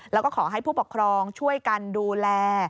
แล้วก็ขอให้ผู้ปกครองช่วยกันดูแล